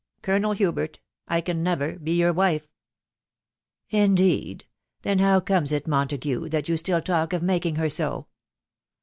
Colonel Hubert, I can never be your wife." " Indeed !..., Then how comes it, Montague, that you still talk of making her so